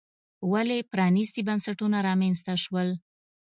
ولې پرانیستي بنسټونه رامنځته شول.